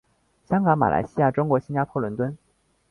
香港马来西亚中国新加坡伦敦